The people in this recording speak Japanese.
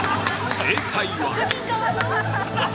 ◆正解は。